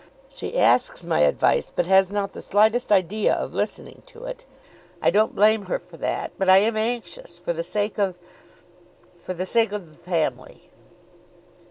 She asks my advice, but has not the slightest idea of listening to it. I don't blame her for that; but I am anxious for the sake of , for the sake of the family."